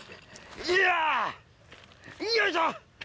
よいしょ！